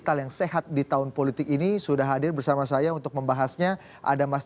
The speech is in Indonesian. alhamdulillah belum pernah